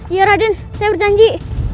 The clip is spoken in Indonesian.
iya raden saya berjanji